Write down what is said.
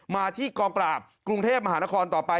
มาที่กองปราบกรุงเทพมหานครต่อไป